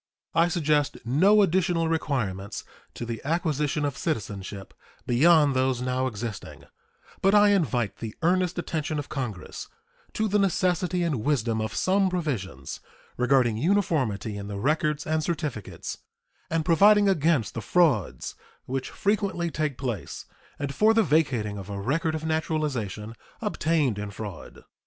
I suggest no additional requirements to the acquisition of citizenship beyond those now existing, but I invite the earnest attention of Congress to the necessity and wisdom of some provisions regarding uniformity in the records and certificates, and providing against the frauds which frequently take place and for the vacating of a record of naturalization obtained in fraud.